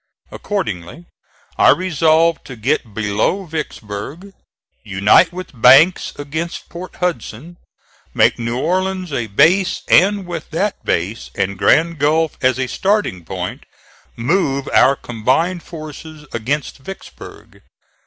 Accordingly I resolved to get below Vicksburg, unite with Banks against Port Hudson, make New Orleans a base and, with that base and Grand Gulf as a starting point, move our combined forces against Vicksburg.